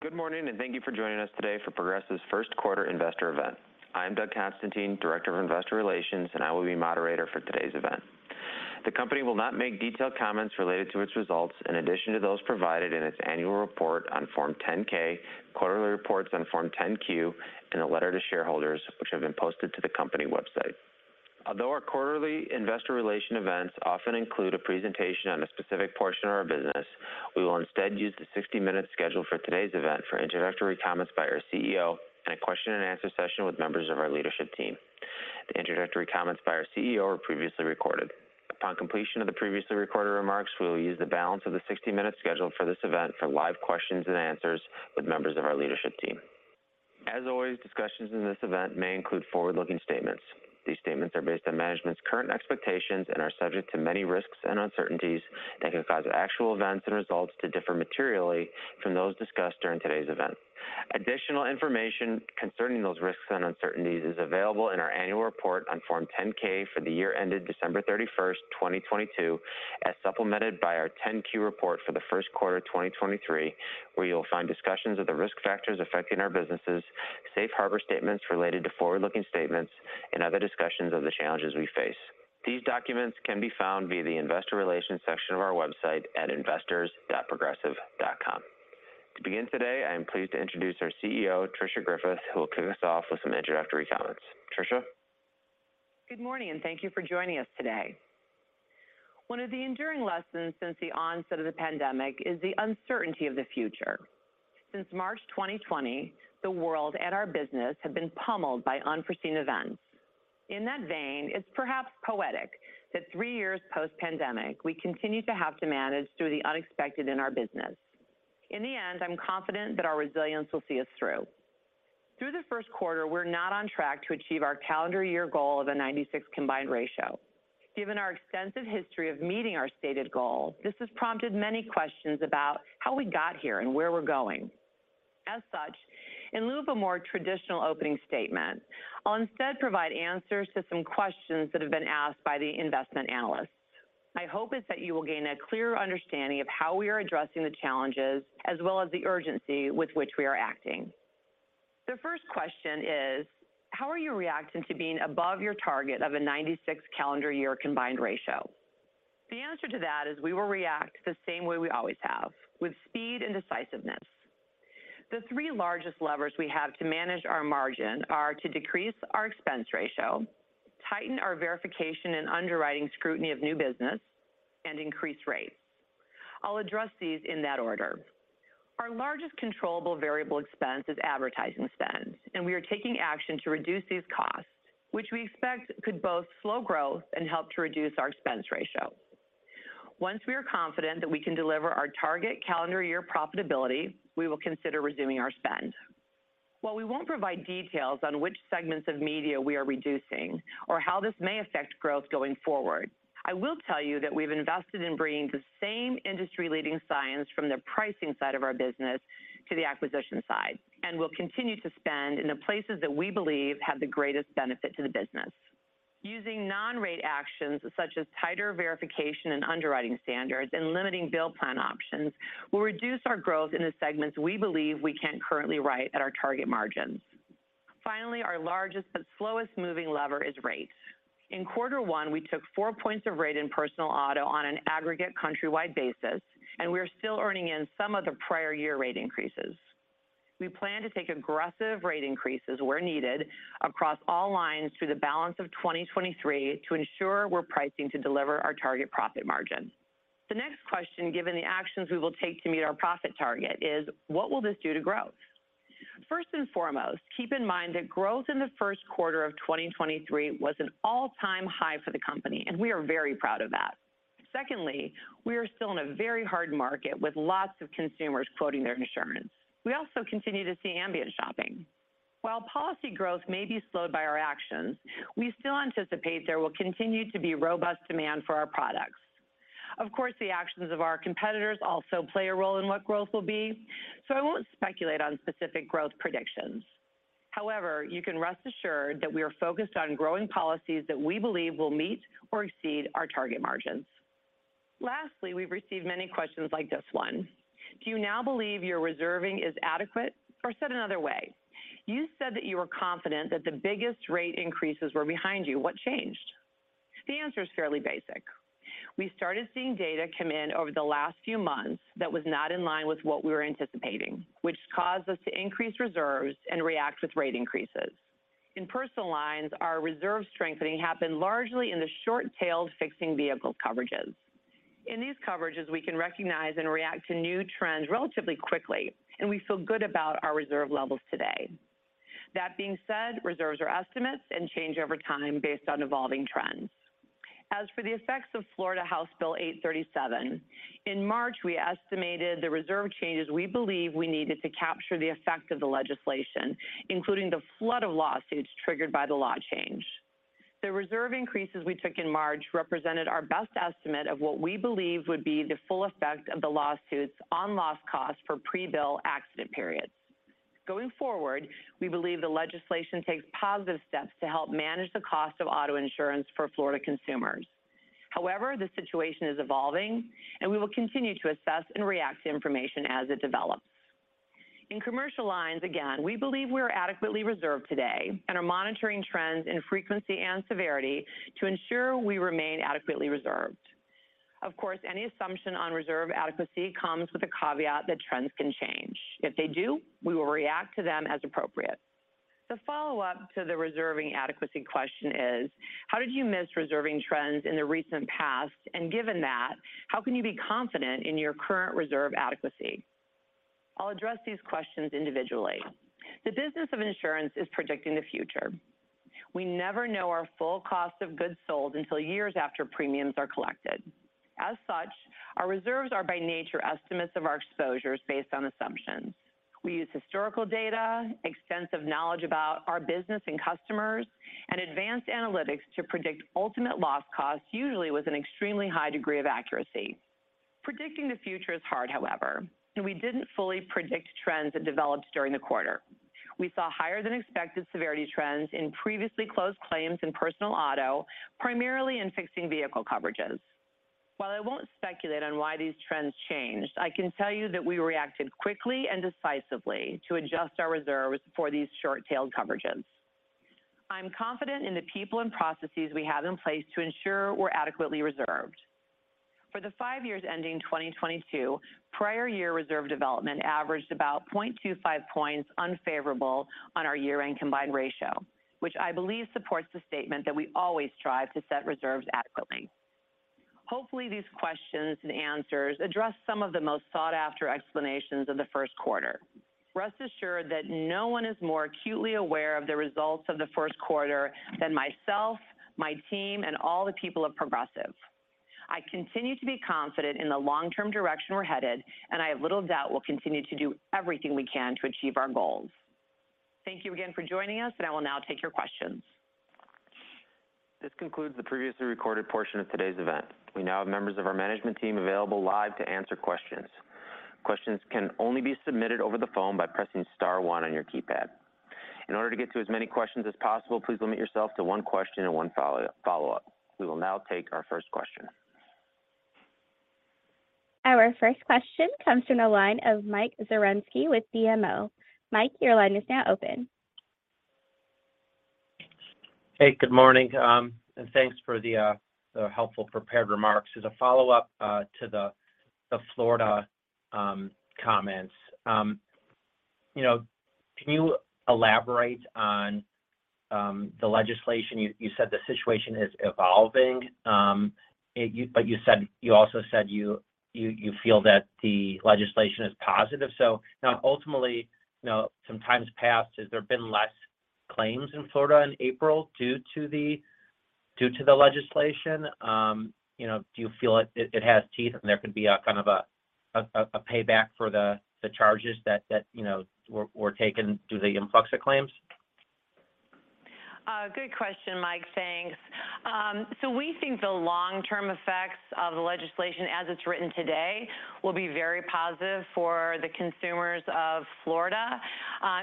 Good morning, and thank you for joining us today for Progressive's First Quarter Investor Event. I'm Doug Constantine, Director of Investor Relations, and I will be moderator for today's event. The company will not make detailed comments related to its results in addition to those provided in its annual report on Form 10-K, quarterly reports on Form 10-Q, and a letter to shareholders which have been posted to the company website. Although our quarterly Investor Relation events often include a presentation on a specific portion of our business, we will instead use the 60-minute schedule for today's event for introductory comments by our CEO and a question-and-answer session with members of our leadership team. The introductory comments by our CEO were previously recorded. Upon completion of the previously recorded remarks, we will use the balance of the 60-minute schedule for this event for live questions and answers with members of our leadership team. Discussions in this event may include forward-looking statements. These statements are based on management's current expectations and are subject to many risks and uncertainties that could cause actual events and results to differ materially from those discussed during today's event. Additional information concerning those risks and uncertainties is available in our annual report on Form 10-K for the year ended December 31st, 2022, as supplemented by our 10-Q report for the first quarter, 2023, where you'll find discussions of the risk factors affecting our businesses, safe harbor statements related to forward-looking statements and other discussions of the challenges we face. These documents can be found via the Investor Relations section of our website at investors.progressive.com. To begin today, I am pleased to introduce our CEO, Tricia Griffith, who will kick us off with some introductory comments. Tricia. Good morning. Thank you for joining us today. One of the enduring lessons since the onset of the pandemic is the uncertainty of the future. Since March 2020, the world and our business have been pummeled by unforeseen events. In that vein, it's perhaps poetic that three years post-pandemic, we continue to have to manage through the unexpected in our business. In the end, I'm confident that our resilience will see us through. Through the first quarter, we're not on track to achieve our calendar year goal of a 96 combined ratio. Given our extensive history of meeting our stated goal, this has prompted many questions about how we got here and where we're going. In lieu of a more traditional opening statement, I'll instead provide answers to some questions that have been asked by the investment analysts. My hope is that you will gain a clearer understanding of how we are addressing the challenges as well as the urgency with which we are acting. The first question is: How are you reacting to being above your target of a 96 calendar year combined ratio? The answer to that is we will react the same way we always have, with speed and decisiveness. The three largest levers we have to manage our margin are to decrease our expense ratio, tighten our verification and underwriting scrutiny of new business, and increase rates. I'll address these in that order. Our largest controllable variable expense is advertising spend, and we are taking action to reduce these costs, which we expect could both slow growth and help to reduce our expense ratio. Once we are confident that we can deliver our target calendar year profitability, we will consider resuming our spend. While we won't provide details on which segments of media we are reducing or how this may affect growth going forward, I will tell you that we've invested in bringing the same industry-leading science from the pricing side of our business to the acquisition side, and we'll continue to spend in the places that we believe have the greatest benefit to the business. Using non-rate actions such as tighter verification and underwriting standards and limiting bill plan options will reduce our growth in the segments we believe we can't currently write at our target margins. Finally, our largest but slowest-moving lever is rates. In quarter one, we took 4 points of rate in Personal Auto on an aggregate countrywide basis, and we are still earning in some of the prior year rate increases. We plan to take aggressive rate increases where needed across all lines through the balance of 2023 to ensure we're pricing to deliver our target profit margin. The next question, given the actions we will take to meet our profit target, is: What will this do to growth? First and foremost, keep in mind that growth in the first quarter of 2023 was an all-time high for the company, and we are very proud of that. Secondly, we are still in a very hard market with lots of consumers quoting their insurance. We also continue to see ambient shopping. While policy growth may be slowed by our actions, we still anticipate there will continue to be robust demand for our products. Of course, the actions of our competitors also play a role in what growth will be, so I won't speculate on specific growth predictions. You can rest assured that we are focused on growing policies that we believe will meet or exceed our target margins. We've received many questions like this one: Do you now believe your reserving is adequate? Said another way, you said that you were confident that the biggest rate increases were behind you. What changed? The answer is fairly basic. We started seeing data come in over the last few months that was not in line with what we were anticipating, which caused us to increase reserves and react with rate increases. In Personal Lines, our reserve strengthening happened largely in the short-tailed fixing vehicle coverages. In these coverages, we can recognize and react to new trends relatively quickly, and we feel good about our reserve levels today. That being said, reserves are estimates and change over time based on evolving trends. As for the effects of Florida House Bill 837, in March, we estimated the reserve changes we believe we needed to capture the effect of the legislation, including the flood of lawsuits triggered by the law change. The reserve increases we took in March represented our best estimate of what we believe would be the full effect of the lawsuits on loss costs for pre-bill accident periods. Going forward, we believe the legislation takes positive steps to help manage the cost of auto insurance for Florida consumers. The situation is evolving, and we will continue to assess and react to information as it develops. In Commercial Lines, again, we believe we're adequately reserved today and are monitoring trends in frequency and severity to ensure we remain adequately reserved. Of course, any assumption on reserve adequacy comes with a caveat that trends can change. If they do, we will react to them as appropriate. The follow-up to the reserving adequacy question is, how did you miss reserving trends in the recent past? Given that, how can you be confident in your current reserve adequacy? I'll address these questions individually. The business of insurance is predicting the future. We never know our full cost of goods sold until years after premiums are collected. As such, our reserves are by nature estimates of our exposures based on assumptions. We use historical data, extensive knowledge about our business and customers, and advanced analytics to predict ultimate loss costs, usually with an extremely high degree of accuracy. Predicting the future is hard, however, and we didn't fully predict trends that developed during the quarter. We saw higher than expected severity trends in previously closed claims in personal auto, primarily in fixing vehicle coverages. While I won't speculate on why these trends changed, I can tell you that we reacted quickly and decisively to adjust our reserves for these short-tailed coverages. I'm confident in the people and processes we have in place to ensure we're adequately reserved. For the five years ending 2022, prior year reserve development averaged about 0.25 points unfavorable on our year-end combined ratio, which I believe supports the statement that we always strive to set reserves adequately. Hopefully, these questions and answers address some of the most sought-after explanations of the first quarter. Rest assured that no one is more acutely aware of the results of the first quarter than myself, my team, and all the people of Progressive. I continue to be confident in the long-term direction we're headed, and I have little doubt we'll continue to do everything we can to achieve our goals. Thank you again for joining us, and I will now take your questions. This concludes the previously recorded portion of today's event. We now have members of our management team available live to answer questions. Questions can only be submitted over the phone by pressing star one on your keypad. In order to get to as many questions as possible, please limit yourself to one question and one follow-up. We will now take our first question. Our first question comes from the line of Mike Zaremski with BMO. Mike, your line is now open. Hey, good morning, thanks for the helpful prepared remarks. As a follow-up to the Florida comments, you know, can you elaborate on the legislation? You said the situation is evolving, but you said you also said you feel that the legislation is positive. Now ultimately, you know, some times passed, has there been less claims in Florida in April due to the legislation? You know, do you feel it has teeth and there could be a kind of a payback for the charges that, you know, were taken due to the influx of claims? Good question, Mike. Thanks. We think the long-term effects of the legislation as it's written today will be very positive for the consumers of Florida.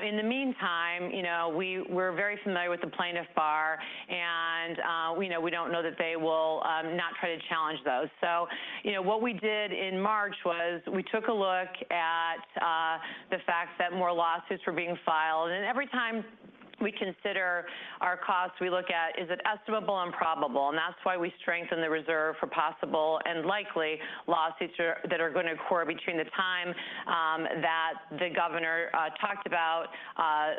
In the meantime, you know, we're very familiar with the plaintiff bar, and we know we don't know that they will not try to challenge those. What we did in March was we took a look at the fact that more lawsuits were being filed. Every time we consider our costs, we look at is it estimable and probable, and that's why we strengthen the reserve for possible and likely lawsuits that are going to occur between the time that the governor talked about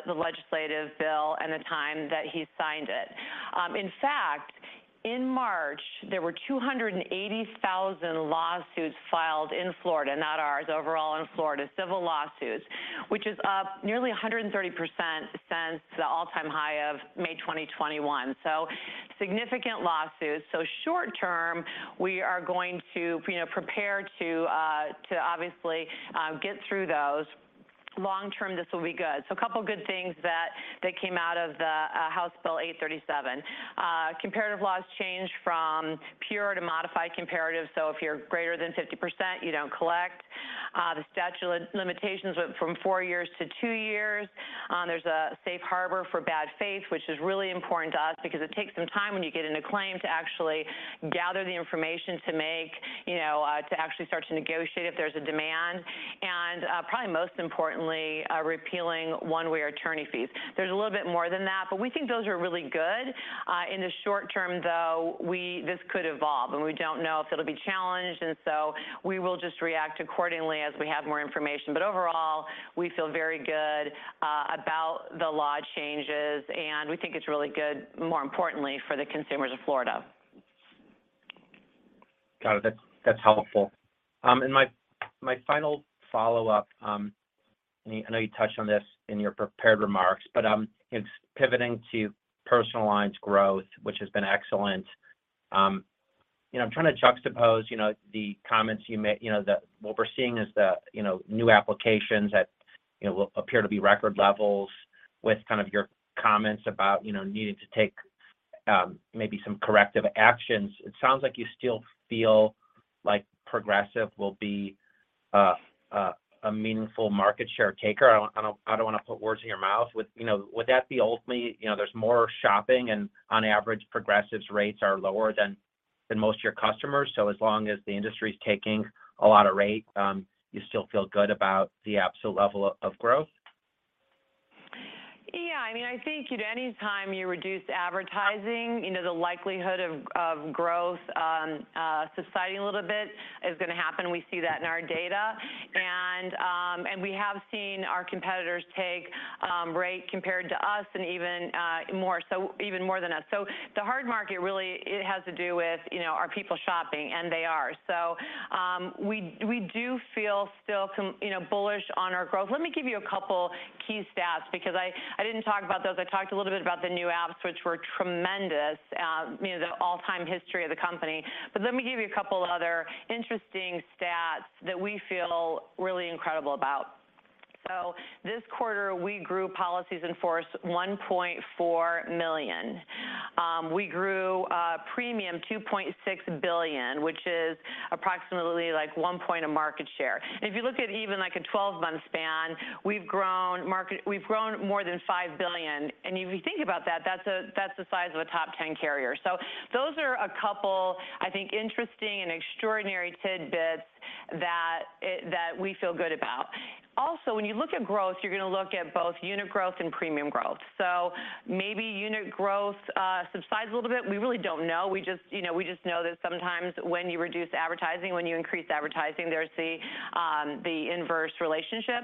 the legislative bill and the time that he signed it. In fact, in March, there were 280,000 lawsuits filed in Florida, not ours, overall in Florida, civil lawsuits, which is up nearly 130% since the all-time high of May 2021. Significant lawsuits. Short term, we are going to, you know, prepare to obviously get through those. Long term, this will be good. A couple good things that came out of the House Bill 837. Comparative laws changed from pure to modified comparative, so if you're greater than 50%, you don't collect. The statute limitations went from four years to two years. There's a safe harbor for bad faith, which is really important to us because it takes some time when you get into claim to actually gather the information to make, you know, to actually start to negotiate if there's a demand. Probably most importantly, repealing one-way attorney fees. There's a little bit more than that, but we think those are really good. In the short term, though, this could evolve, and we don't know if it'll be challenged, so we will just react accordingly as we have more information. Overall, we feel very good about the law changes, and we think it's really good, more importantly, for the consumers of Florida. Got it. That's, that's helpful. My, my final follow-up, and I know you touched on this in your prepared remarks, but, it's pivoting to Personal Lines growth, which has been excellent. You know, I'm trying to juxtapose, you know, the comments you know, what we're seeing is the, you know, new applications that, you know, will appear to be record levels with kind of your comments about, you know, needing to take maybe some corrective actions. It sounds like you still feel like Progressive will be a, a meaningful market share [CAGR] I don't, I don't want to put words in your mouth. Would, you know, would that be ultimately, you know, there's more shopping, and on average, Progressive's rates are lower than most of your customers, so as long as the industry is taking a lot of rate, you still feel good about the absolute level of growth? Yeah. I mean, I think at any time you reduce advertising, you know, the likelihood of growth, subsiding a little bit is going to happen. We see that in our data. We have seen our competitors take rate compared to us and even, more so even more than us. The hard market really, it has to do with you know, are people shopping? They are. We do feel still some, you know, bullish on our growth. Let me give you a couple key stats because I didn't talk about those. I talked a little bit about the new apps, which were tremendous, you know, the all-time history of the company. Let me give you a couple other interesting stats that we feel really incredible about. This quarter, we grew policies in force $1.4 million. We grew premium $2.6 billion, which is approximately like 1 point of market share. If you look at even like a 12-month span, we've grown more than $5 billion. If you think about that's the size of a top 10 carrier. Those are a couple, I think, interesting and extraordinary tidbits that we feel good about. Also, when you look at growth, you're going to look at both unit growth and premium growth. Maybe unit growth subsides a little bit. We really don't know. We just, you know, we just know that sometimes when you reduce advertising, when you increase advertising, there's the inverse relationship,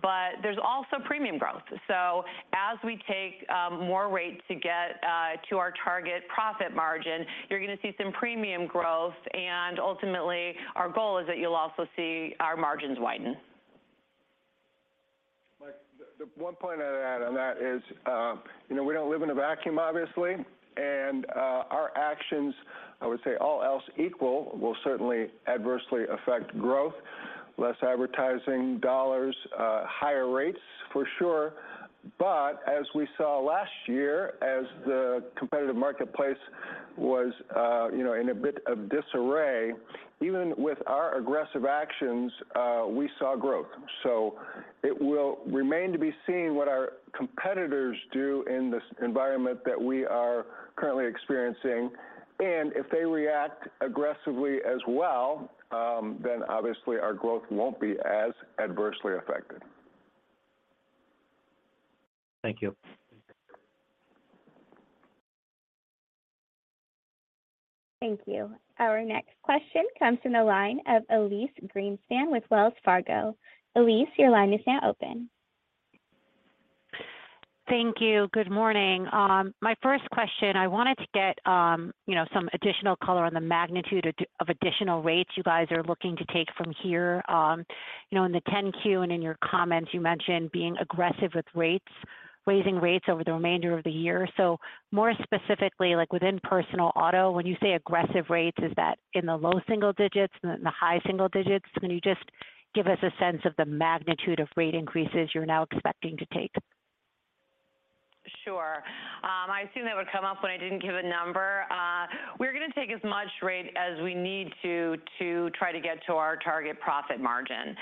but there's also premium growth. As we take more rate to get to our target profit margin, you're going to see some premium growth, and ultimately, our goal is that you'll also see our margins widen. Mike, the one point I'd add on that is, you know, we don't live in a vacuum, obviously. Our actions, I would say all else equal, will certainly adversely affect growth, less advertising dollars, higher rates for sure. As we saw last year as the competitive marketplace was, you know, in a bit of disarray, even with our aggressive actions, we saw growth. It will remain to be seen what our competitors do in this environment that we are currently experiencing. If they react aggressively as well, obviously our growth won't be as adversely affected. Thank you. Thank you. Our next question comes from the line of Elyse Greenspan with Wells Fargo. Elyse, your line is now open. Thank you. Good morning. My first question, I wanted to get, you know, some additional color on the magnitude of additional rates you guys are looking to take from here. In the 10-Q and in your comments, you mentioned being aggressive with rates, raising rates over the remainder of the year. More specifically, like within Personal Auto, when you say aggressive rates, is that in the low single digits, in the high single digits? Can you just give us a sense of the magnitude of rate increases you're now expecting to take? Sure. I assume that would come up when I didn't give a number. We're going to take as much rate as we need to try to get to our target profit margin.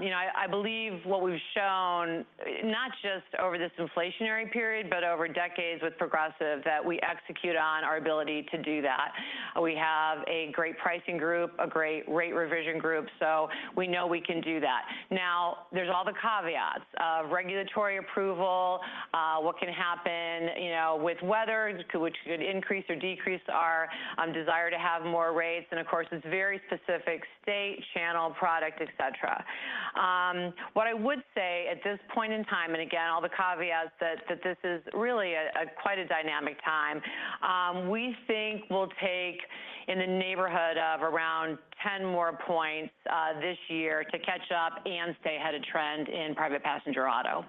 You know, I believe what we've shown, not just over this inflationary period, but over decades with Progressive, that we execute on our ability to do that. We have a great pricing group, a great rate revision group. We know we can do that. Now, there's all the caveats, regulatory approval, what can happen, you know, with weather, which could increase or decrease our desire to have more rates. Of course, it's very specific state, channel, product, et cetera. What I would say at this point in time, again, all the caveats that this is really a quite a dynamic time, we think we'll take in the neighborhood of around 10 more points this year to catch up and stay ahead of trend in private passenger auto.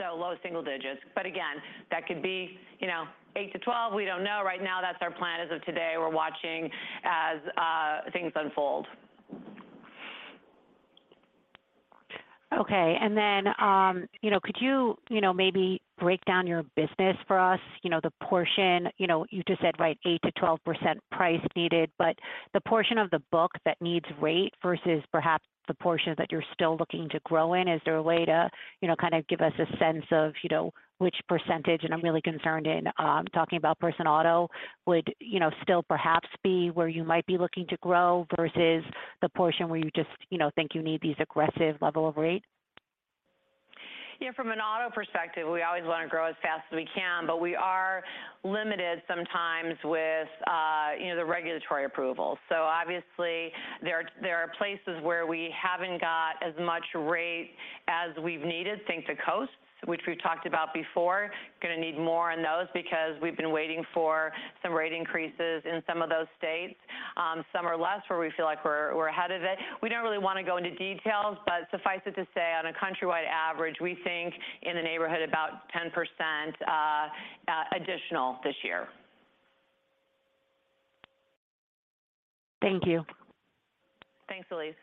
Low single digits. Again, that could be, you know, 8%-12%. We don't know right now. That's our plan as of today. We're watching as things unfold. Okay. You know, could you know, maybe break down your business for us? You know, the portion, you know, you just said, right, 8%-12% price needed, but the portion of the book that needs rate versus perhaps the portion that you're still looking to grow in, is there a way to, you know, kind of give us a sense of, you know, which percentage, and I'm really concerned in, talking about Personal Auto, would, you know, still perhaps be where you might be looking to grow versus the portion where you just, you know, think you need these aggressive level of rate? Yeah, from an auto perspective, we always want to grow as fast as we can, we are limited sometimes with, you know, the regulatory approval. Obviously there are places where we haven't got as much rate as we've needed. Think the coasts, which we've talked about before, going to need more on those because we've been waiting for some rate increases in some of those states. Some are less where we feel like we're ahead of it. We don't really want to go into details, suffice it to say, on a countrywide average, we think in the neighborhood about 10% additional this year. Thank you. Thanks, Elyse.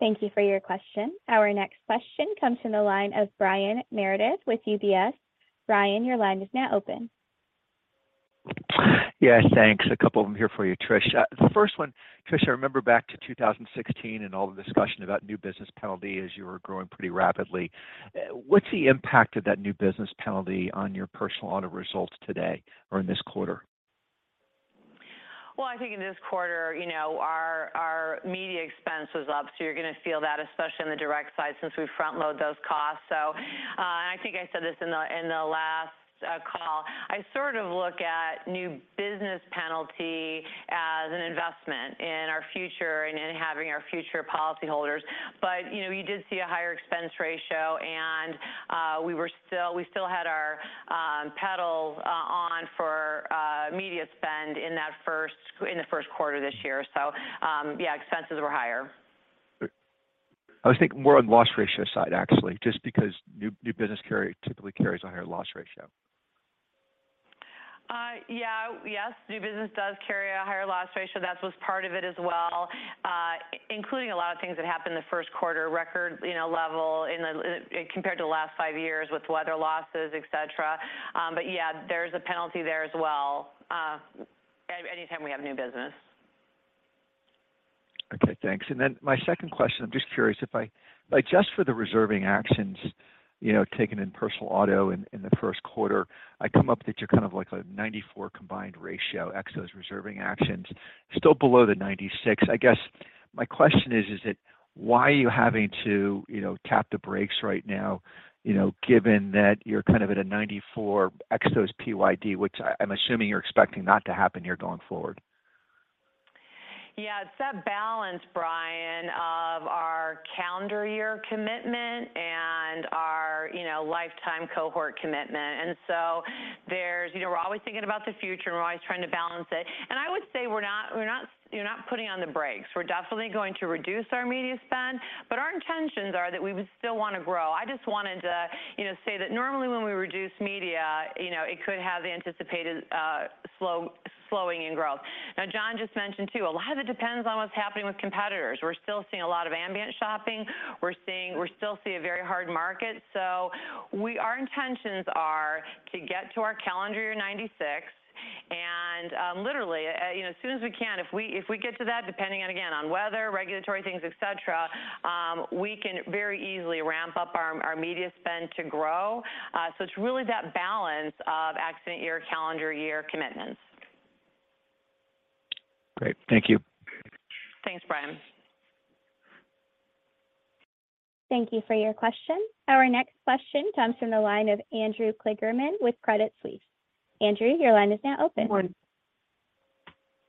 Thank you for your question. Our next question comes from the line of Brian Meredith with UBS. Brian, your line is now open. Yeah, thanks. A couple of them here for you, Tricia. The first one, Tricia, I remember back to 2016 and all the discussion about new business penalty as you were growing pretty rapidly. What's the impact of that new business penalty on your personal auto results today or in this quarter? I think in this quarter, you know, our media expense was up, you're going to feel that, especially on the direct side since we front-load those costs. I think I said this in the last call, I sort of look at new business penalty as an investment in our future and in having our future policyholders. You know, you did see a higher expense ratio and we still had our pedal on for media spend in the first quarter this year. Yeah, expenses were higher. I was thinking more on loss ratio side, actually, just because new business typically carries a higher loss ratio. Yeah. Yes, new business does carry a higher loss ratio. That was part of it as well, including a lot of things that happened in the first quarter, record, you know, level in the, compared to the last five years with weather losses, et cetera. Yeah, there's a penalty there as well, anytime we have new business. Okay, thanks. My second question, I'm just curious if I like, just for the reserving actions, you know, taken in personal auto in the first quarter, I come up that you're kind of like a 94% combined ratio ex those reserving actions, still below the 96%. I guess my question is why are you having to, you know, tap the brakes right now, you know, given that you're kind of at a 94% ex those PYD, which I'm assuming you're expecting not to happen here going forward? Yeah. It's that balance, Brian, of our calendar year commitment and our, you know, lifetime cohort commitment. There's, you know, we're always thinking about the future and we're always trying to balance it. I would say you're not putting on the brakes. We're definitely going to reduce our media spend, but our intentions are that we would still want to grow. I just wanted to, you know, say that normally when we reduce media, you know, it could have the anticipated, slowing in growth. John just mentioned, too, a lot of it depends on what's happening with competitors. We're still seeing a lot of ambient shopping. We still see a very hard market. Our intentions are to get to our calendar year 96, and, you know, as soon as we can, if we get to that, depending on, again, on weather, regulatory things, et cetera, we can very easily ramp up our media spend to grow. It's really that balance of accident year, calendar year commitments. Great. Thank you. Thanks, Brian. Thank you for your question. Our next question comes from the line of Andrew Kligerman with Credit Suisse. Andrew, your line is now open. Good morning.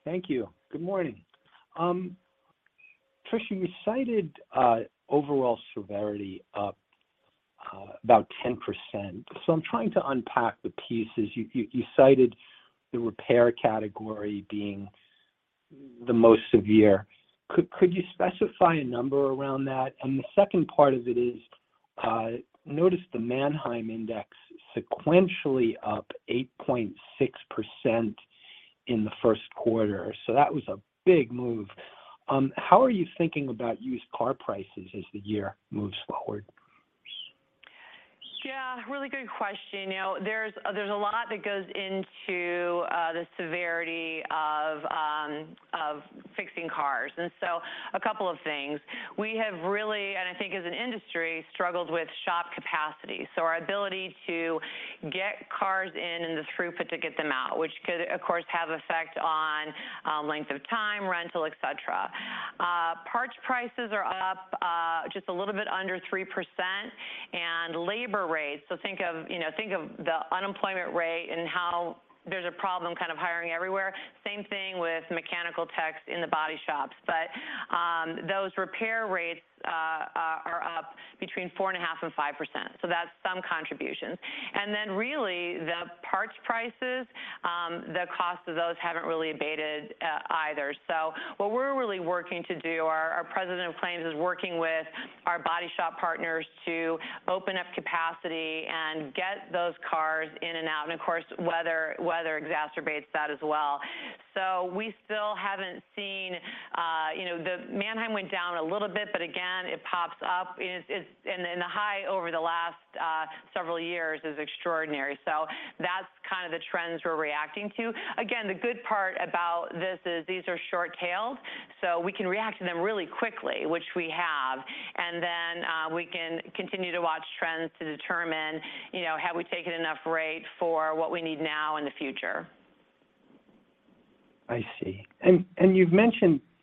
Thank you. Good morning. Tricia, you cited overall severity up about 10%. I'm trying to unpack the pieces. You cited the repair category being the most severe. Could you specify a number around that? The second part of it is, noticed the Manheim Index sequentially up 8.6% in the first quarter. That was a big move. How are you thinking about used car prices as the year moves forward? Yeah, really good question. You know, there's a lot that goes into the severity of fixing cars. A couple of things. We have really, and I think as an industry, struggled with shop capacity, so our ability to get cars in and the throughput to get them out, which could, of course, have effect on length of time, rental, et cetera. Parts prices are up just a little bit under 3% and labor rates. Think of, you know, think of the unemployment rate and how there's a problem kind of hiring everywhere. Same thing with mechanical techs in the body shops. Those repair rates are up between 4.5% and 5%. That's some contributions. Really the parts prices, the cost of those haven't really abated either. What we're really working to do, our president of claims is working with our body shop partners to open up capacity and get those cars in and out. Of course, weather exacerbates that as well. We still haven't seen, you know, the Manheim went down a little bit, but again, it pops up. It's. The high over the last several years is extraordinary. That's kind of the trends we're reacting to. Again, the good part about this is these are short-tailed, so we can react to them really quickly, which we have. Then, we can continue to watch trends to determine, you know, have we taken enough rate for what we need now in the future. I see.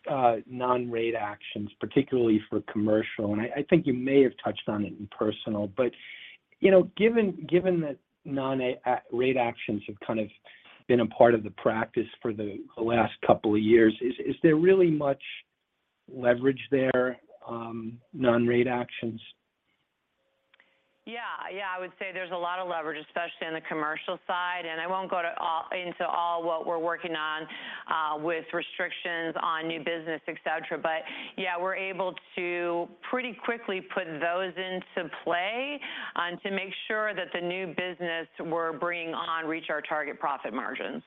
You've mentioned non-rate actions, particularly for Commercial, and I think you may have touched on it in Personal. You know, given that non-rate actions have kind of been a part of the practice for the last couple of years, is there really much leverage there, non-rate actions? Yeah. Yeah, I would say there's a lot of leverage, especially on the Commercial side. I won't go into all what we're working on, with restrictions on new business, et cetera. Yeah, we're able to pretty quickly put those into play, to make sure that the new business we're bringing on reach our target profit margins.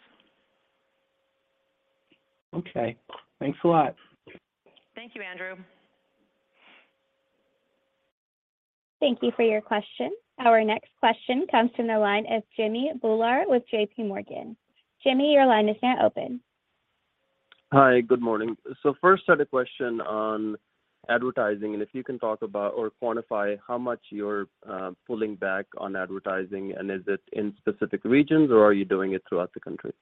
Okay. Thanks a lot. Thank you, Andrew. Thank you for your question. Our next question comes from the line of Jimmy Bhullar with JPMorgan. Jimmy, your line is now open. Hi. Good morning. First I had a question on advertising, and if you can talk about or quantify how much you're pulling back on advertising, and is it in specific regions, or are you doing it throughout the country?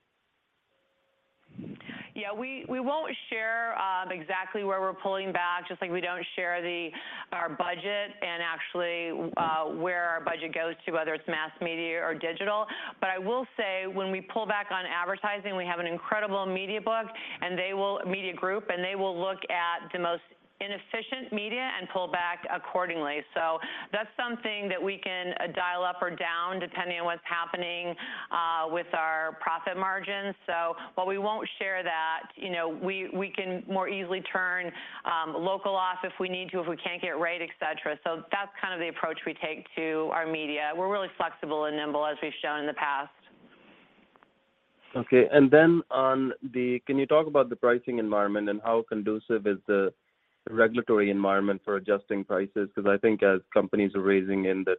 Yeah. We won't share exactly where we're pulling back, just like we don't share our budget and actually where our budget goes to, whether it's mass media or digital. I will say when we pull back on advertising, we have an incredible media group, and they will look at the most inefficient media and pull back accordingly. That's something that we can dial up or down depending on what's happening with our profit margins. While we won't share that, you know, we can more easily turn local off if we need to, if we can't get it right, et cetera. That's kind of the approach we take to our media. We're really flexible and nimble as we've shown in the past. Can you talk about the pricing environment and how conducive is the regulatory environment for adjusting prices? Because I think as companies are raising in the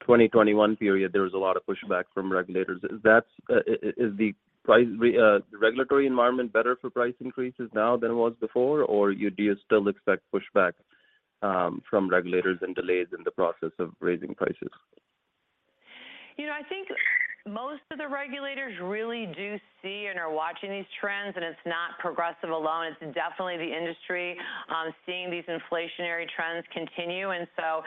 2021 period, there was a lot of pushback from regulators. Is the regulatory environment better for price increases now than it was before? Or do you still expect pushback from regulators and delays in the process of raising prices? You know, I think most of the regulators really do see and are watching these trends. It's not Progressive alone. It's definitely the industry, seeing these inflationary trends continue. So,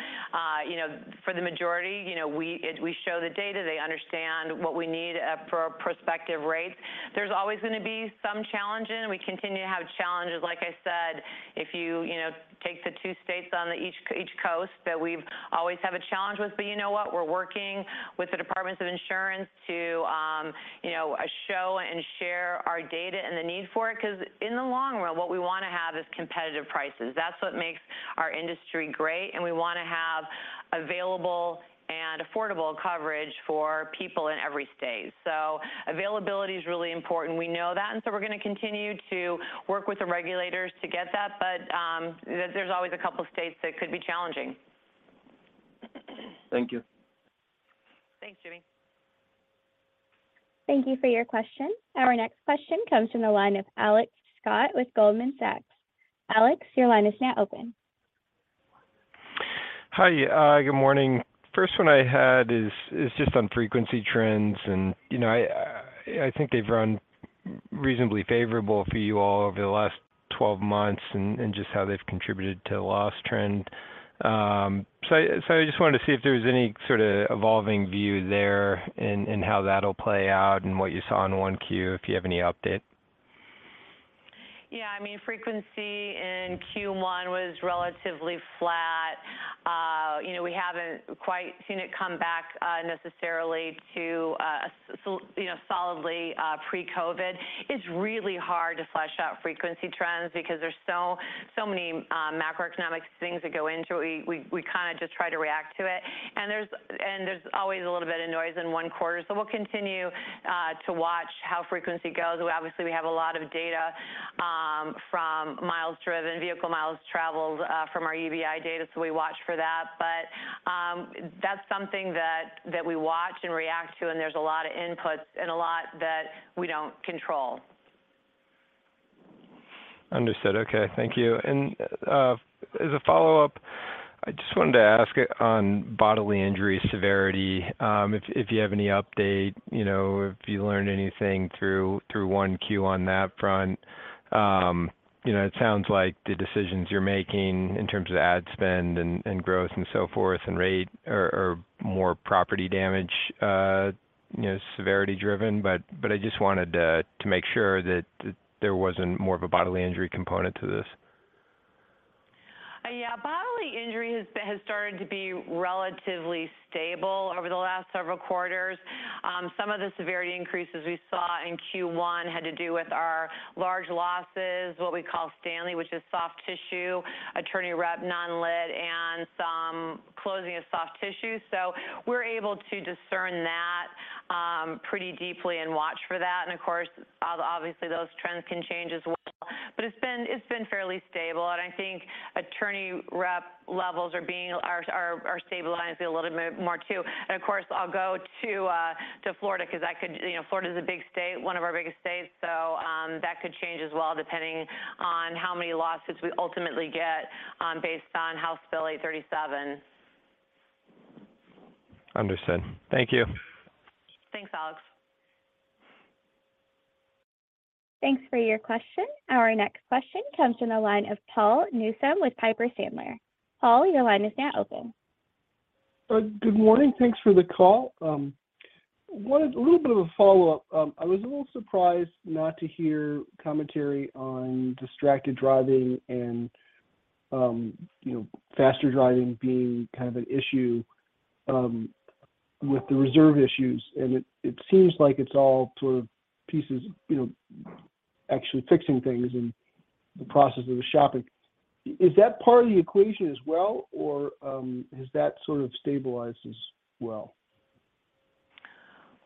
you know, for the majority, you know, we show the data, they understand what we need for our prospective rates. There's always going to be some challenges. We continue to have challenges. Like I said, if you know, take the two states on the each coast that we've always have a challenge with. You know what? We're working with the departments of insurance to, you know, show and share our data and the need for it because in the long run, what we want to have is competitive prices. That's what makes our industry great. We want to have available and affordable coverage for people in every state. Availability is really important. We know that, and so we're going to continue to work with the regulators to get that. There's always a couple of states that could be challenging. Thank you. Thanks, Jimmy. Thank you for your question. Our next question comes from the line of Alex Scott with Goldman Sachs. Alex, your line is now open. Hi. Good morning. First one I had is just on frequency trends. You know, I think they've run reasonably favorable for you all over the last 12 months and just how they've contributed to the loss trend. I just wanted to see if there's any sort of evolving view there in how that'll play out and what you saw in Q1, if you have any update. Yeah. I mean, frequency in Q1 was relatively flat. You know, we haven't quite seen it come back, necessarily to, you know, solidly pre-COVID. It's really hard to flush out frequency trends because there's so many macroeconomic things that go into it. We kinda just try to react to it. There's always a little bit of noise in one quarter. We'll continue to watch how frequency goes. Obviously, we have a lot of data from miles driven, vehicle miles traveled, from our UBI data, so we watch for that. That's something that we watch and react to, and there's a lot of inputs and a lot that we don't control. Understood. Okay. Thank you. As a follow-up, I just wanted to ask on bodily injury severity, if you have any update, you know, if you learned anything through Q1 on that front. You know, it sounds like the decisions you're making in terms of ad spend and growth and so forth and rate are more property damage, you know, severity-driven. I just wanted to make sure that there wasn't more of a bodily injury component to this. Yeah. Bodily injury has started to be relatively stable over the last several quarters. Some of the severity increases we saw in Q1 had to do with our large losses, what we call [Stanley] which is soft tissue, attorney rep, non-lit, and some closing of soft tissue. We're able to discern that pretty deeply and watch for that. Of course, obviously, those trends can change as well. It's been fairly stable. I think attorney rep levels are stabilizing a little bit more too. Of course, I'll go to Florida because that could. You know, Florida is a big state, one of our biggest states. That could change as well, depending on how many lawsuits we ultimately get, based on House Bill 837. Understood. Thank you. Thanks, Alex. Thanks for your question. Our next question comes from the line of Paul Newsome with Piper Sandler. Paul, your line is now open. Good morning. Thanks for the call. A little bit of a follow-up. I was a little surprised not to hear commentary on distracted driving and, you know, faster driving being kind of an issue with the reserve issues. It, it seems like it's all sort of pieces, you know, actually fixing things in the process of the shopping. Is that part of the equation as well, or, has that sort of stabilized as well?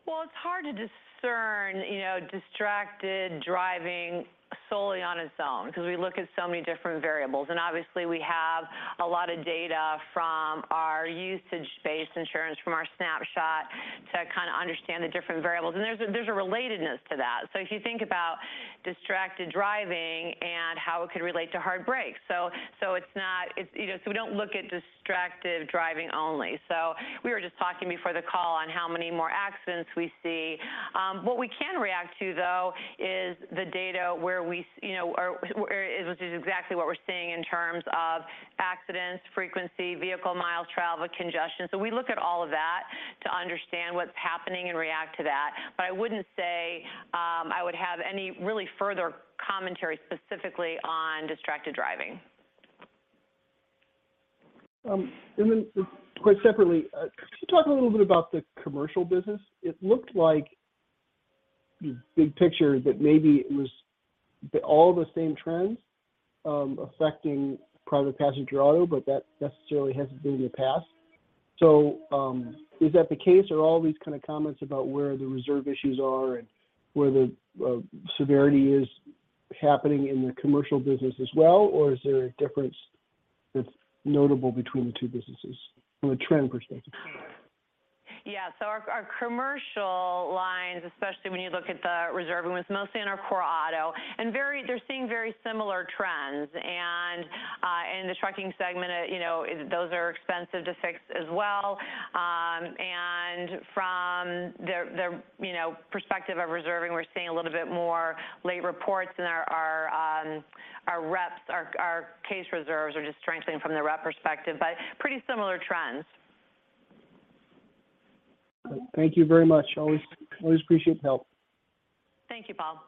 Well, it's hard to discern, you know, distracted driving solely on its own because we look at so many different variables. Obviously, we have a lot of data from our usage-based insurance, from our Snapshot to kind of understand the different variables. There's a relatedness to that. If you think about distracted driving and how it could relate to hard brakes. You know, we don't look at distracted driving only. We were just talking before the call on how many more accidents we see. What we can react to, though, is the data where we you know, or it was just exactly what we're seeing in terms of accidents, frequency, vehicle miles traveled, congestion. We look at all of that to understand what's happening and react to that. I wouldn't say, I would have any really further commentary specifically on distracted driving. Quite separately, can you talk a little bit about the commercial business? It looked like big picture that maybe it was all the same trends, affecting private passenger auto, but that necessarily hasn't been the past. Is that the case or all these kind of comments about where the reserve issues are and where the severity is happening in the commercial business as well? Or is there a difference that's notable between the two businesses from a trend perspective? Our Commercial Lines, especially when you look at the reserve, it was mostly in our core auto. They're seeing very similar trends. In the trucking segment, you know, those are expensive to fix as well. From the, you know, perspective of reserving, we're seeing a little bit more late reports than our reps, our case reserves are just strengthening from the rep perspective, but pretty similar trends. Thank you very much. Always appreciate the help. Thank you, Paul.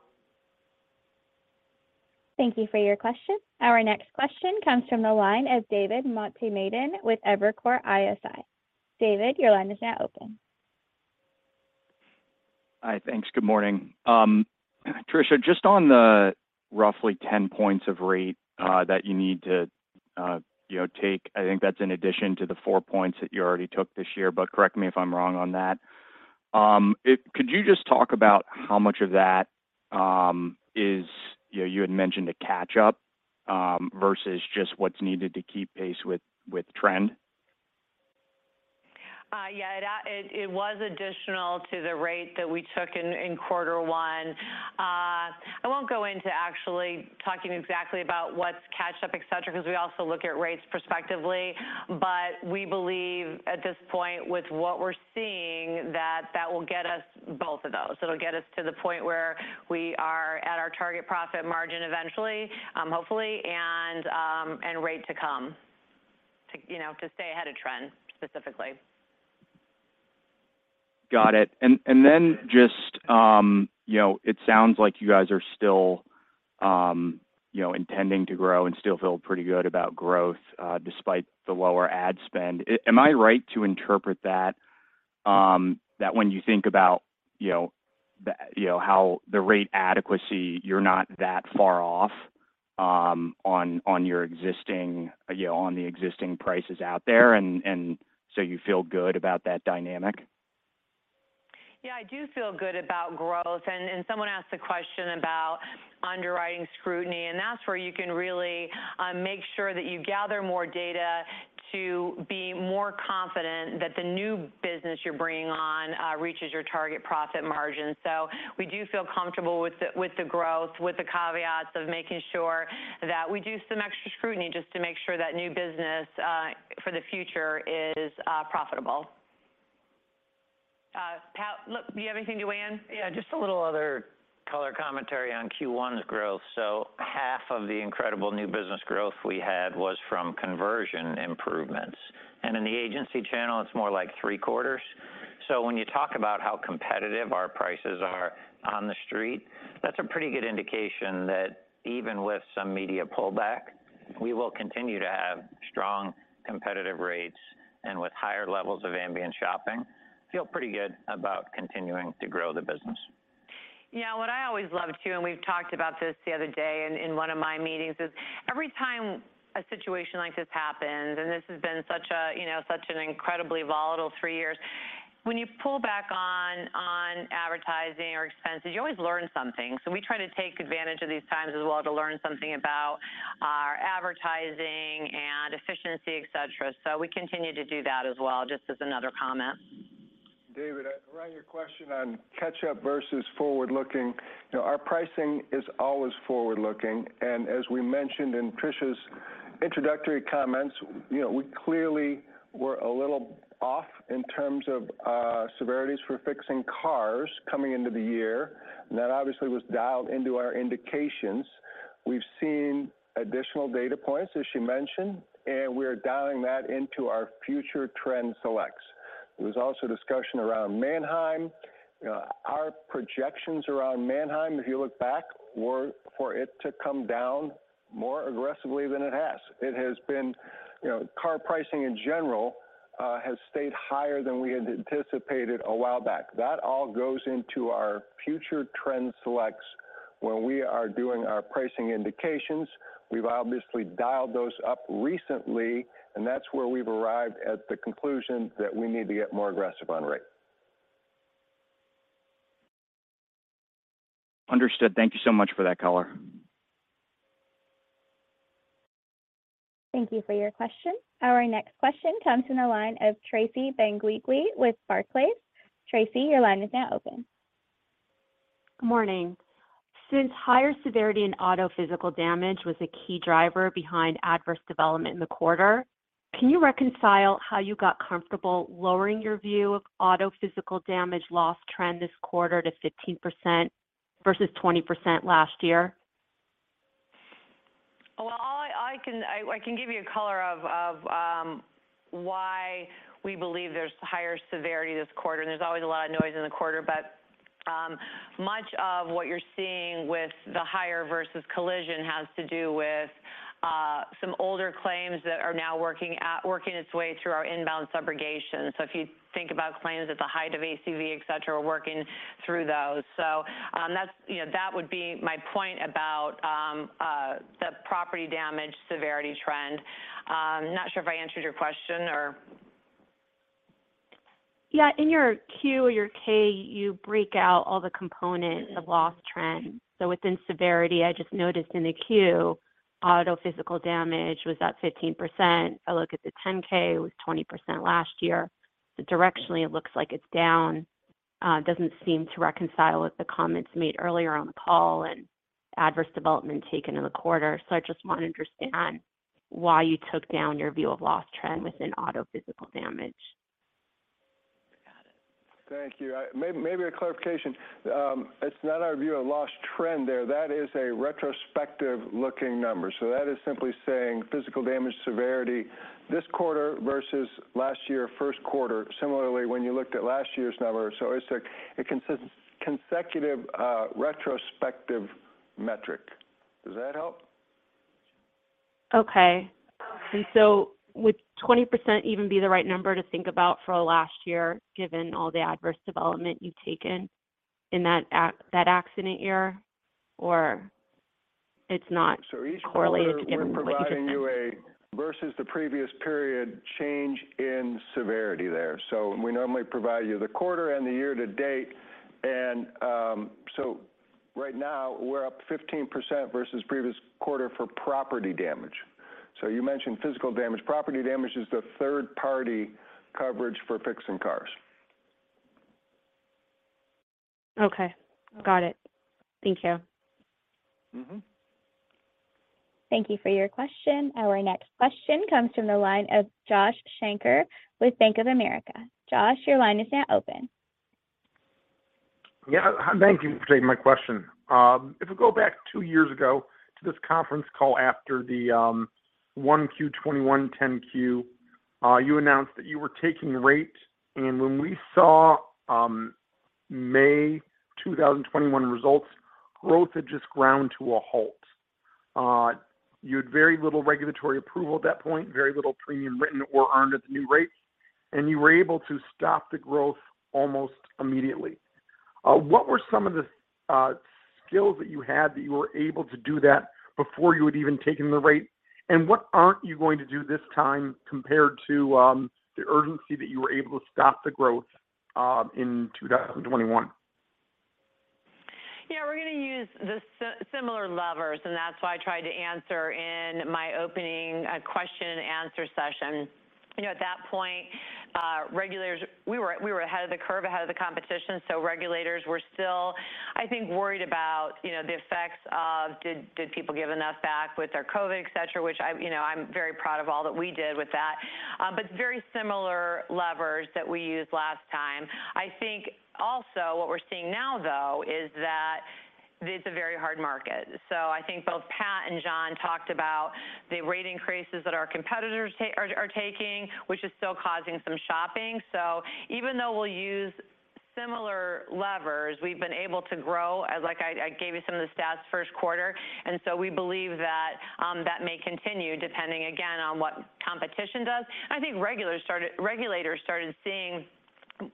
Thank you for your question. Our next question comes from the line of David Motemaden with Evercore ISI. David, your line is now open. Hi. Thanks. Good morning. Tricia, just on the roughly 10 points of rate, that you need to, you know, take, I think that's in addition to the 4 points that you already took this year, but correct me if I'm wrong on that. Could you just talk about how much of that, is, you know, you had mentioned a catch-up, versus just what's needed to keep pace with trend? Yeah. It was additional to the rate that we took in quarter one. I won't go into actually talking exactly about what's caught up, et cetera, because we also look at rates prospectively. We believe at this point with what we're seeing that that will get us both of those. It'll get us to the point where we are at our target profit margin eventually, hopefully, and rate to come to, you know, to stay ahead of trend, specifically. Got it. Then just, you know, it sounds like you guys are still, you know, intending to grow and still feel pretty good about growth, despite the lower ad spend. Am I right to interpret that when you think about, you know, the, you know, how the rate adequacy, you're not that far off, on your existing, you know, on the existing prices out there, and so you feel good about that dynamic? I do feel good about growth. Someone asked a question about underwriting scrutiny, and that's where you can really make sure that you gather more data to be more confident that the new business you're bringing on reaches your target profit margin. We do feel comfortable with the growth, with the caveats of making sure that we do some extra scrutiny just to make sure that new business for the future is profitable. Pat, look, do you have anything to weigh in? Yeah, just a little other color commentary on Q1's growth. Half of the incredible new business growth we had was from conversion improvements. In the agency channel, it's more like 3/4. When you talk about how competitive our prices are on the street, that's a pretty good indication that even with some media pullback, we will continue to have strong competitive rates and with higher levels of ambient shopping. Feel pretty good about continuing to grow the business. Yeah. What I always love, too, and we've talked about this the other day in one of my meetings, is every time a situation like this happens, and this has been such a, you know, such an incredibly volatile three years. When you pull back on advertising or expenses, you always learn something. We try to take advantage of these times as well to learn something about our advertising and efficiency, et cetera. We continue to do that as well, just as another comment. David, around your question on catch-up versus forward-looking. You know, our pricing is always forward-looking. As we mentioned in Tricia's introductory comments, you know, we clearly were a little off in terms of severities for fixing cars coming into the year. That obviously was dialed into our indications. We've seen additional data points, as she mentioned, and we're dialing that into our future trend selects. There was also discussion around Manheim. Our projections around Manheim, if you look back, were for it to come down more aggressively than it has. It has been, you know, car pricing, in general, has stayed higher than we had anticipated a while back. That all goes into our future trend selects, when we are doing our pricing indications, we've obviously dialed those up recently, and that's where we've arrived at the conclusion that we need to get more aggressive on rate. Understood. Thank you so much for that color. Thank you for your question. Our next question comes from the line of Tracy Benguigui with Barclays. Tracy, your line is now open. Morning. Since higher severity in auto physical damage was a key driver behind adverse development in the quarter, can you reconcile how you got comfortable lowering your view of auto physical damage loss trend this quarter to 15% versus 20% last year? I can give you a color of why we believe there's higher severity this quarter. There's always a lot of noise in the quarter. Much of what you're seeing with the higher versus collision has to do with some older claims that are now working its way through our inbound subrogation. If you think about claims at the height of ACV, et cetera, we're working through those. That's, you know, that would be my point about the property damage severity trend. Not sure if I answered your question or... In your Q, your K, you break out all the components of loss trends. Within severity, I just noticed in the Q, auto physical damage was at 15%. I look at the 10-K, it was 20% last year. Directionally, it looks like it's down. It doesn't seem to reconcile with the comments made earlier on the call and adverse development taken in the quarter. I just want to understand why you took down your view of loss trend within auto physical damage. Got it. Thank you. Maybe a clarification. It's not our view of loss trend there. That is simply saying physical damage severity this quarter versus last year, first quarter, similarly, when you looked at last year's numbers. It's, like, a consecutive retrospective metric. Does that help? Would 20% even be the right number to think about for last year, given all the adverse development you've taken in that accident year? Or it's not correlated given what you just said? Each quarter, we're providing you a versus the previous period change in severity there. We normally provide you the quarter and the year-to-date. Right now, we're up 15% versus previous quarter for property damage. You mentioned physical damage. Property damage is the third-party coverage for fixing cars. Okay. Got it. Thank you. Mm-hmm. Thank you for your question. Our next question comes from the line of Josh Shanker with Bank of America. Josh, your line is now open. Yeah. Thank you for taking my question. If we go back two years ago to this conference call after the Q1 2021 10-Q, you announced that you were taking rate. When we saw May 2021 results, growth had just ground to a halt. You had very little regulatory approval at that point, very little premium written or earned at the new rate, and you were able to stop the growth almost immediately. What were some of the skills that you had that you were able to do that before you had even taken the rate? What aren't you going to do this time compared to the urgency that you were able to stop the growth in 2021? Yeah. We're going to use the similar levers, that's why I tried to answer in my opening question and answer session. You know, at that point, regulators, we were ahead of the curve, ahead of the competition, so regulators were still, I think, worried about, you know, the effects of did people give enough back with their COVID, et cetera, which I'm, you know, I'm very proud of all that we did with that. Very similar levers that we used last time. I think also what we're seeing now, though, is that it's a very hard market. I think both Pat and John talked about the rate increases that our competitors are taking, which is still causing some shopping. Even though we'll use similar levers, we've been able to grow as like I gave you some of the stats first quarter. We believe that may continue depending again on what competition does. I think regulators started seeing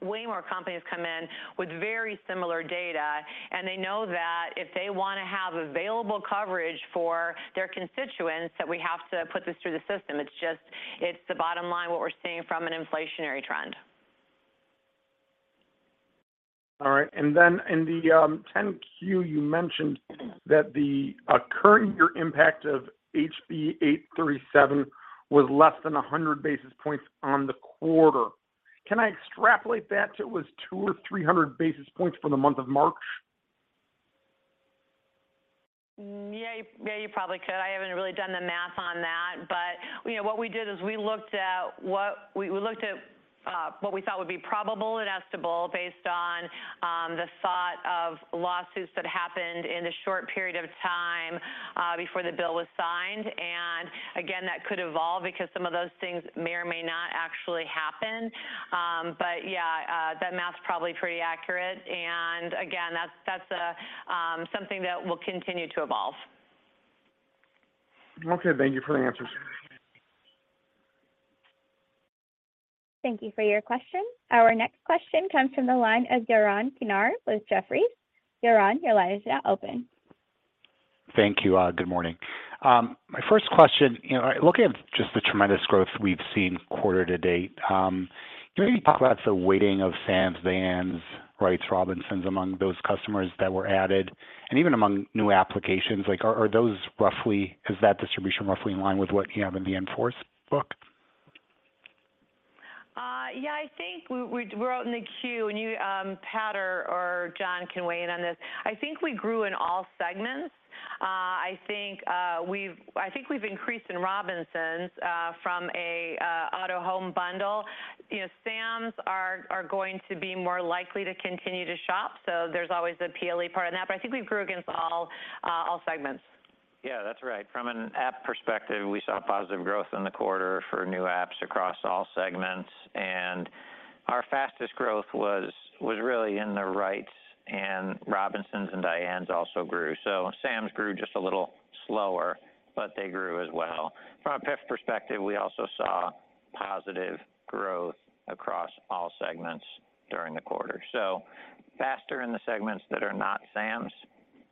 way more companies come in with very similar data, and they know that if they want to have available coverage for their constituents, that we have to put this through the system. It's just, it's the bottom line, what we're seeing from an inflationary trend. All right. Then in the 10-Q, you mentioned that the current year impact of HB 837 was less than 100 basis points on the quarter. Can I extrapolate that to it was 200 or 300 basis points for the month of March? Yeah, you probably could. I haven't really done the math on that. You know, what we did is we looked at what we looked at what we thought would be probable and estimable based on the thought of lawsuits that happened in a short period of time before the bill was signed. Again, that could evolve because some of those things may or may not actually happen. But yeah, that math's probably pretty accurate. Again, that's something that will continue to evolve. Okay. Thank you for the answers. Thank you for your question. Our next question comes from the line of Yaron Kinar with Jefferies. Yaron, your line is now open. Thank you. Good morning. My first question, you know, looking at just the tremendous growth we've seen quarter-to-date, can you talk about the weighting of Sams, Dianes, Wrights, Robinsons among those customers that were added, and even among new applications like is that distribution roughly in line with what you have in the in-force book? Yeah, I think we're out in the Q, and you, Pat or John can weigh in on this. I think we grew in all segments. I think we've increased in Robinsons, from a auto home bundle. You know, Sams are going to be more likely to continue to shop, so there's always a PLE part in that. I think we've grew against all segments. Yeah, that's right. From an app perspective, we saw positive growth in the quarter for new apps across all segments, our fastest growth was really in the Wrights, and Robinsons and Dianes also grew. Sams grew just a little slower, but they grew as well. From a PIF perspective, we also saw positive growth across all segments during the quarter. Faster in the segments that are not Sams,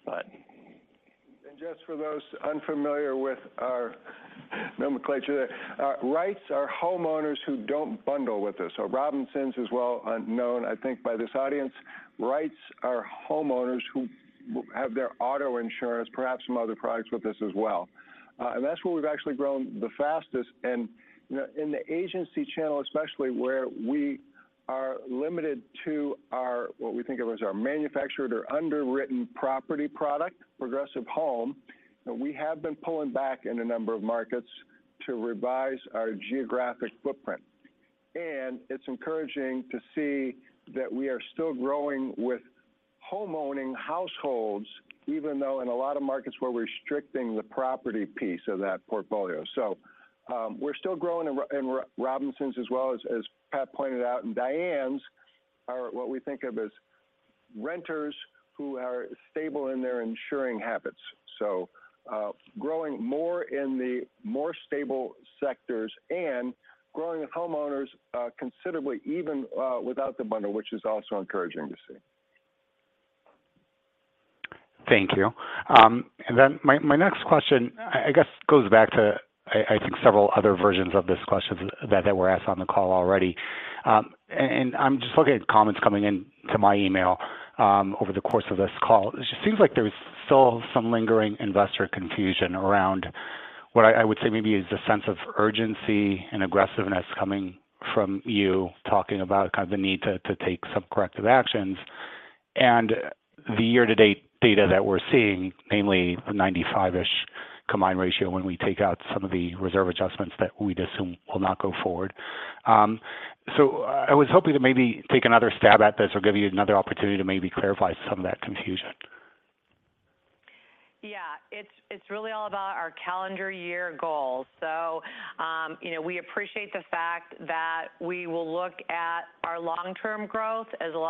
but... Just for those unfamiliar with our nomenclature, Wrights are homeowners who don't bundle with us. Robinsons is well known, I think by this audience. Wrights are homeowners who have their auto insurance, perhaps some other products with us as well. That's where we've actually grown the fastest, and, you know, in the agency channel, especially where we are limited to our, what we think of as our manufactured or underwritten property product, Progressive Home, we have been pulling back in a number of markets to revise our geographic footprint. It's encouraging to see that we are still growing with homeowning households, even though in a lot of markets we're restricting the property piece of that portfolio. We're still growing in Robinsons as well as Pat pointed out, and Diane's are what we think of as renters who are stable in their insuring habits. Growing more in the more stable sectors and growing homeowners considerably even without the bundle, which is also encouraging to see. Thank you. Then my next question I guess goes back to, I think several other versions of this question that were asked on the call already. I'm just looking at comments coming in to my email over the course of this call. It just seems like there's still some lingering investor confusion around what I would say maybe is the sense of urgency and aggressiveness coming from you talking about kind of the need to take some corrective actions and the year-to-date data that we're seeing, namely the 95-ish combined ratio when we take out some of the reserve adjustments that we'd assume will not go forward. I was hoping to maybe take another stab at this or give you another opportunity to maybe clarify some of that confusion. It's, it's really all about our calendar year goals. You know, we appreciate the fact that we will look at our long-term growth as well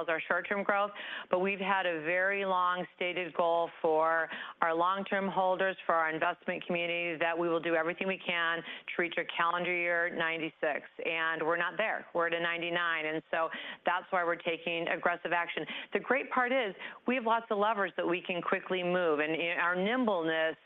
as our short-term growth. We've had a very long stated goal for our long-term holders, for our investment community, that we will do everything we can to reach a calendar year 96. We're not there. We're at a 99, that's why we're taking aggressive action. The great part is we have lots of levers that we can quickly move, and our nimbleness,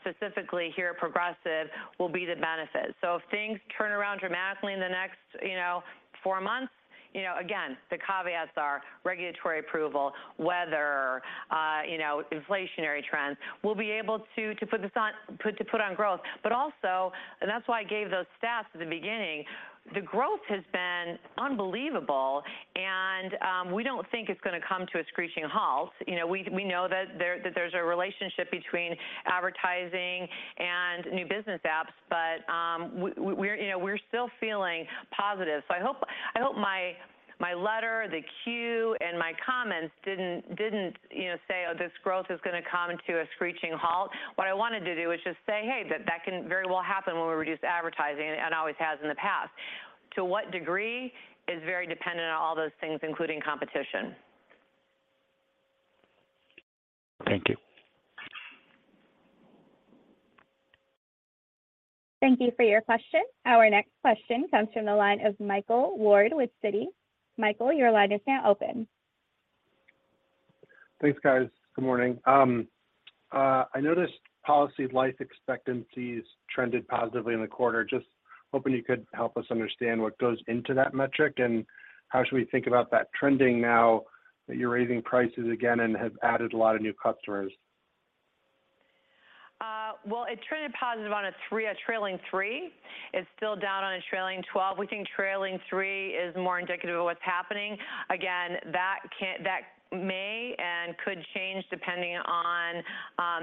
specifically here at Progressive will be the benefit. If things turn around dramatically in the next, you know, four months, you know, again, the caveats are regulatory approval, weather, you know, inflationary trends. We'll be able to put on growth. Also, and that's why I gave those stats at the beginning, the growth has been unbelievable, and we don't think it's going to come to a screeching halt. You know, we know that there's a relationship between advertising and new business apps, but we're, you know, we're still feeling positive. I hope my letter, the Q, and my comments didn't, you know, say, "Oh, this growth is going to come to a screeching halt." What I wanted to do was just say, "Hey, that can very well happen when we reduce advertising and always has in the past." To what degree is very dependent on all those things, including competition. Thank you. Thank you for your question. Our next question comes from the line of Michael Ward with Citi. Michael, your line is now open. Thanks, guys. Good morning. I noticed policy life expectancies trended positively in the quarter. Just hoping you could help us understand what goes into that metric and how should we think about that trending now that you're raising prices again and have added a lot of new customers? Well, it trended positive on a trailing three. It's still down on a trailing 12. We think trailing three is more indicative of what's happening. Again, that may and could change depending on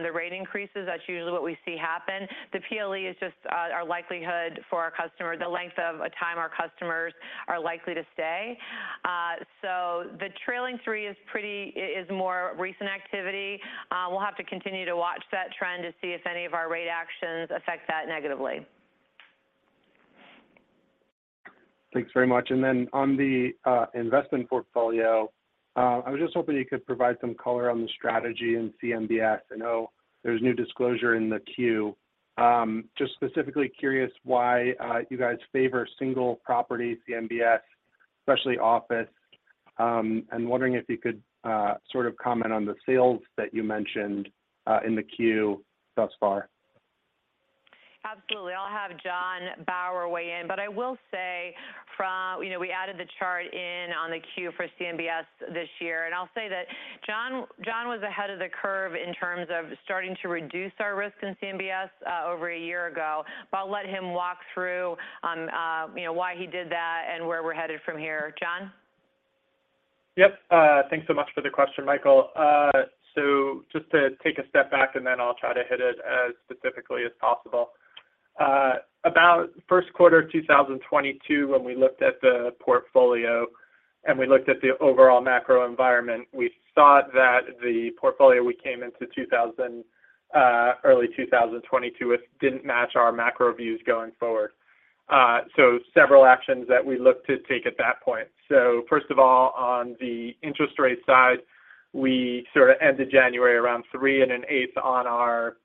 the rate increases. That's usually what we see happen. The PLE is just our likelihood for our customer, the length of a time our customers are likely to stay. The trailing three is pretty, is more recent activity. We'll have to continue to watch that trend to see if any of our rate actions affect that negatively. Thanks very much. On the investment portfolio, I was just hoping you could provide some color on the strategy in CMBS. I know there's new disclosure in the Q. Just specifically curious why you guys favor single property CMBS, especially office. Wondering if you could sort of comment on the sales that you mentioned in the Q thus far. Absolutely. I'll have Jon Bauer weigh in. I will say, you know, we added the chart in on the Q for CMBS this year. I'll say that Jon was ahead of the curve in terms of starting to reduce our risk in CMBS over a year ago. I'll let him walk through on, you know, why he did that and where we're headed from here. Jon? Yes. Thanks so much for the question, Michael. Just to take a step back, and then I'll try to hit it as specifically as possible. About first quarter 2022, when we looked at the portfolio and we looked at the overall macro environment, we thought that the portfolio we came into early 2022, it didn't match our macro views going forward. Several actions that we looked to take at that point. First of all, on the interest rate side, we sort of ended January around 3.125 on our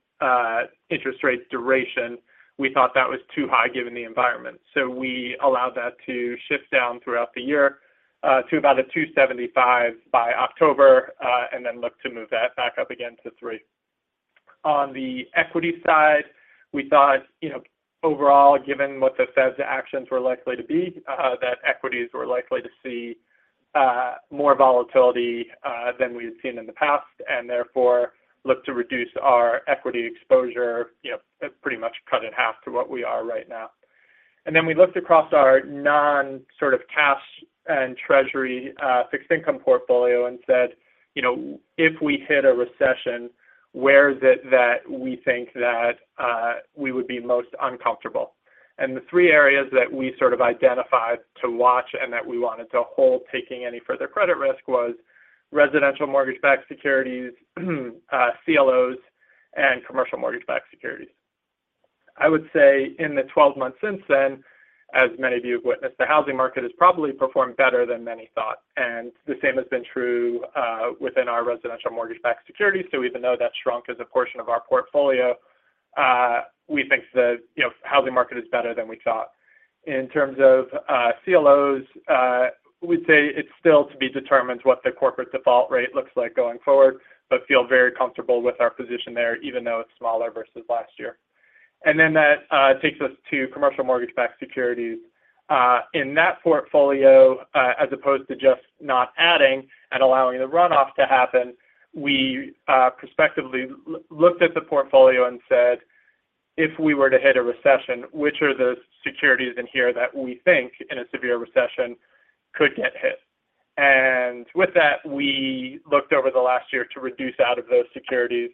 interest rates duration. We thought that was too high given the environment. We allowed that to shift down throughout the year to about a 2.75 by October, and then look to move that back up again to 3. On the equity side, we thought, you know, overall, given what the Fed's actions were likely to be, that equities were likely to see, more volatility, than we had seen in the past, and therefore, look to reduce our equity exposure, you know, pretty much cut in half to what we are right now. Then we looked across our non sort of cash and treasury, fixed income portfolio and said, "You know, if we hit a recession, where is it that we think that, we would be most uncomfortable?" The three areas that we sort of identified to watch and that we wanted to hold taking any further credit risk was residential mortgage-backed securities, CLOs, and commercial mortgage-backed securities. I would say in the 12 months since then, as many of you have witnessed, the housing market has probably performed better than many thought. The same has been true within our residential mortgage-backed securities. Even though that shrunk as a portion of our portfolio, we think the, you know, housing market is better than we thought. In terms of CLOs, we'd say it's still to be determined what the corporate default rate looks like going forward, but feel very comfortable with our position there, even though it's smaller versus last year. That takes us to commercial mortgage-backed securities. In that portfolio, as opposed to just not adding and allowing the runoff to happen, we prospectively looked at the portfolio and said, "If we were to hit a recession, which are the securities in here that we think in a severe recession could get hit?" With that, we looked over the last year to reduce out of those securities.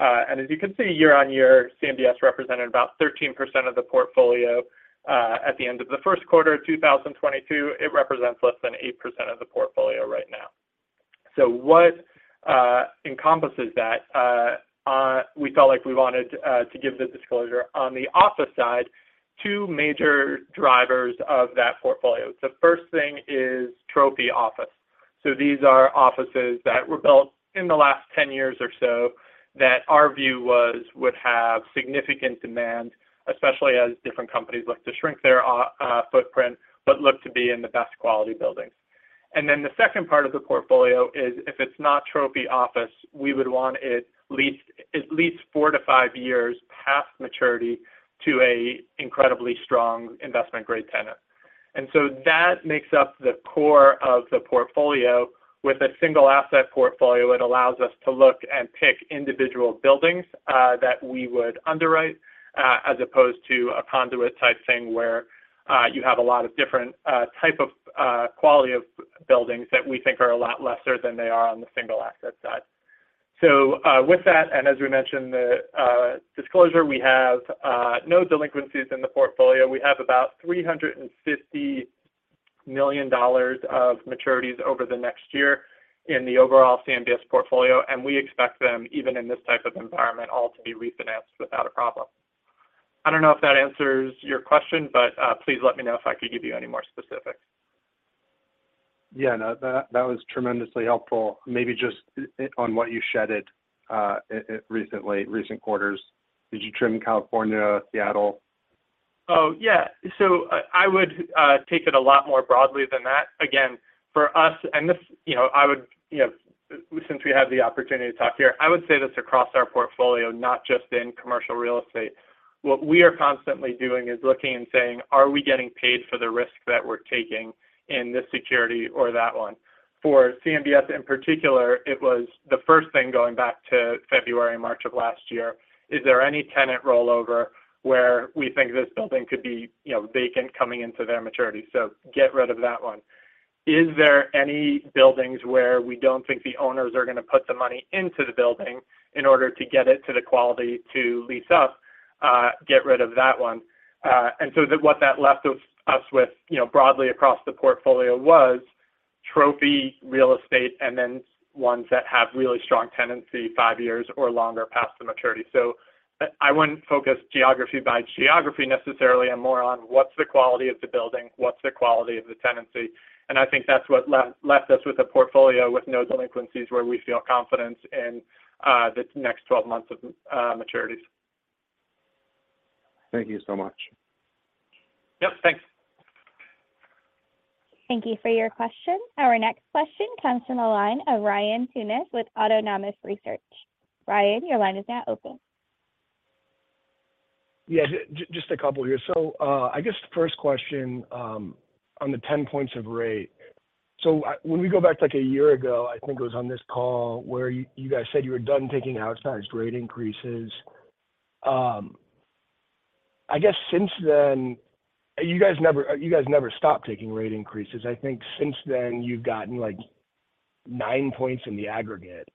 As you can see year-on-year, CMBS represented about 13% of the portfolio at the end of the first quarter of 2022. It represents less than 8% of the portfolio right now. What encompasses that, we felt like we wanted to give the disclosure on the office side, two major drivers of that portfolio. The first thing is trophy office. These are offices that were built in the last 10 years or so that our view was would have significant demand, especially as different companies look to shrink their footprint, but look to be in the best quality buildings. The second part of the portfolio is if it's not trophy office, we would want it leased at least four to five years past maturity to a incredibly strong investment-grade tenant. That makes up the core of the portfolio. With a single asset portfolio, it allows us to look and pick individual buildings that we would underwrite as opposed to a conduit type thing where you have a lot of different type of quality of buildings that we think are a lot lesser than they are on the single asset side. With that, as we mentioned the disclosure, we have no delinquencies in the portfolio. We have about $350 million of maturities over the next year in the overall CMBS portfolio, we expect them, even in this type of environment, all to be refinanced without a problem. I don't know if that answers your question, please let me know if I could give you any more specifics. Yeah, no, that was tremendously helpful. Maybe just on what you shedded recently, recent quarters? Did you trim California, Seattle? Oh, yeah. I would take it a lot more broadly than that. Again, for us, and this, you know, I would, you know, since we have the opportunity to talk here, I would say this across our portfolio, not just in commercial real estate. What we are constantly doing is looking and saying, "Are we getting paid for the risk that we're taking in this security or that one?" For CMBS, in particular, it was the first thing going back to February, March of last year. Is there any tenant rollover where we think this building could be, you know, vacant coming into their maturity? Get rid of that one. Is there any buildings where we don't think the owners are going to put the money into the building in order to get it to the quality to lease up? Get rid of that one. what that left us with, you know, broadly across the portfolio was... Trophy real estate, ones that have really strong tenancy five years or longer past the maturity. I wouldn't focus geography by geography necessarily, more on what's the quality of the building, what's the quality of the tenancy. I think that's what left us with a portfolio with no delinquencies, where we feel confidence in this next 12 months of maturities. Thank you so much. Yes. Thanks. Thank you for your question. Our next question comes from the line of Ryan Tunis with Autonomous Research. Ryan, your line is now open. Yeah, just a couple here. I guess the first question on the 10 points of rate. When we go back like a year ago, I think it was on this call, where you guys said you were done taking outsized rate increases. I guess since then, you guys never stopped taking rate increases. I think since then you've gotten like 9 points in the aggregate.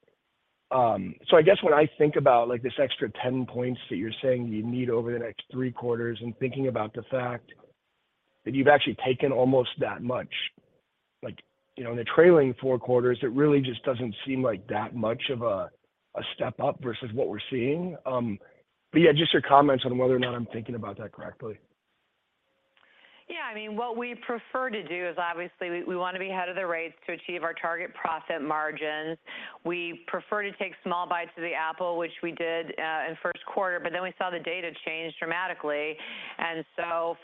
I guess when I think about like this extra 10 points that you're saying you need over the next three quarters and thinking about the fact that you've actually taken almost that much. Like, you know, in the trailing four quarters, it really just doesn't seem like that much of a step up versus what we're seeing. Yeah, just your comments on whether or not I'm thinking about that correctly. Yeah. I mean, what we prefer to do is, obviously, we want to be ahead of the rates to achieve our target profit margins. We prefer to take small bites of the apple, which we did in first quarter. We saw the data change dramatically.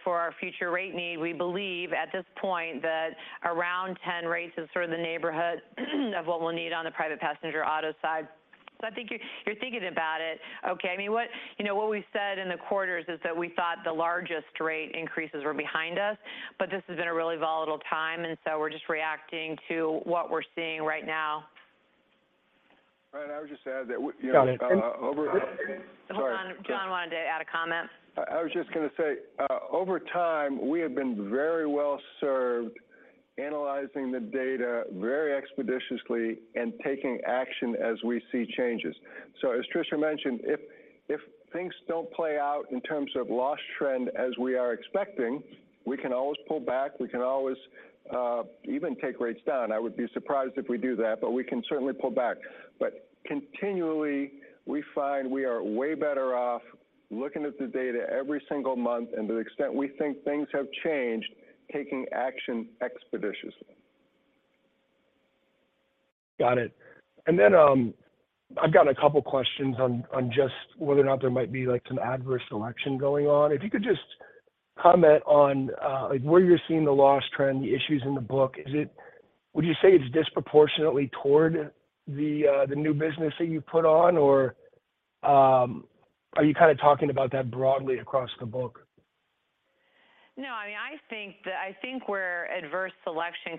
For our future rate need, we believe at this point that around 10 rates is sort of the neighborhood of what we'll need on the private passenger auto side. I think you're thinking about it okay. I mean, what, you know, what we said in the quarters is that we thought the largest rate increases were behind us. This has been a really volatile time. We're just reacting to what we're seeing right now. Ryan, I would just add that, you know, Hold on. John wanted to add a comment. I was just going to a say, over time, we have been very well served analyzing the data very expeditiously and taking action as we see changes. As Tricia mentioned, if things don't play out in terms of loss trend as we are expecting, we can always pull back. We can always even take rates down. I would be surprised if we do that, but we can certainly pull back. Continually, we find we are way better off looking at the data every single month and to the extent we think things have changed, taking action expeditiously. Got it. I've got a couple questions on just whether or not there might be like some adverse selection going on. If you could just comment on, like, where you're seeing the loss trend, the issues in the book. Would you say it's disproportionately toward the new business that you put on? Or, are you kinda talking about that broadly across the book? I mean, I think where adverse selection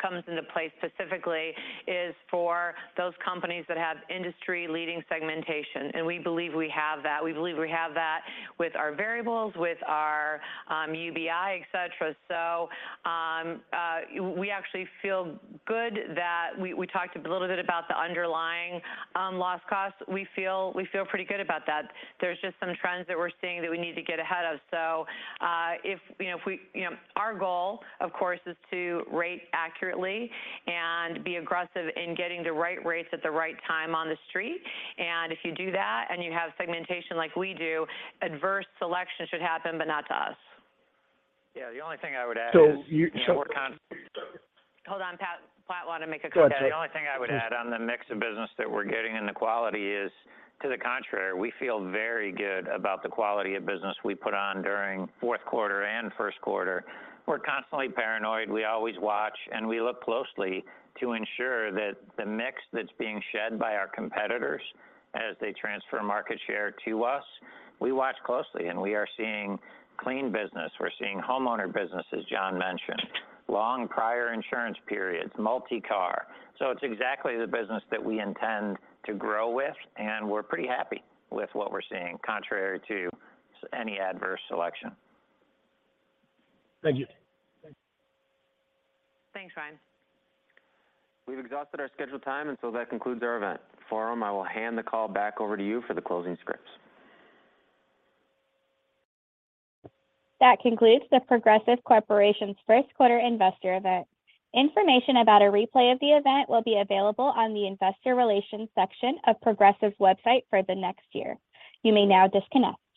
comes into play specifically is for those companies that have industry-leading segmentation, and we believe we have that. We believe we have that with our variables, with our UBI, et cetera. We actually feel good that we talked a little bit about the underlying loss costs. We feel pretty good about that. There's just some trends that we're seeing that we need to get ahead of. Our goal, of course, is to rate accurately and be aggressive in getting the right rates at the right time on the street. If you do that and you have segmentation like we do, adverse selection should happen, but not to us. Yeah. The only thing I would add. So you- We're con- Hold on, Pat. Pat wanted to make a comment. Go ahead. The only thing I would add on the mix of business that we're getting and the quality is, to the contrary, we feel very good about the quality of business we put on during fourth quarter and first quarter. We're constantly paranoid. We always watch, and we look closely to ensure that the mix that's being shed by our competitors as they transfer market share to us, we watch closely, and we are seeing clean business. We're seeing homeowner business, as John mentioned, long prior insurance periods, multi-car. It's exactly the business that we intend to grow with, and we're pretty happy with what we're seeing, contrary to any adverse selection. Thank you. Thanks, Ryan. We've exhausted our scheduled time. That concludes our event. Forum, I will hand the call back over to you for the closing scripts. That concludes The Progressive Corporation's first quarter investor event. Information about a replay of the event will be available on the investor relations section of Progressive's website for the next year. You may now disconnect.